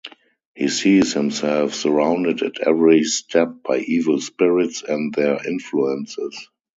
He sees himself surrounded at every step by evil spirits and their influences.